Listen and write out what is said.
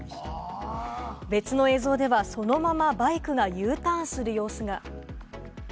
別の映像では、そのままバイクがＵターンする様子が。